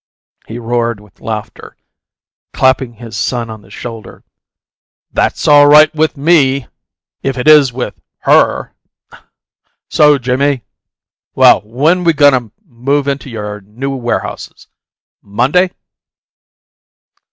He roared with laughter, clapping his son upon the shoulder. "That's all right with me if it is with HER! So, Jimmie? Well, when we goin' to move into your new warehouses? Monday?"